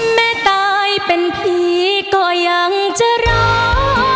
แม่ตายเป็นผีก็ยังจะรอ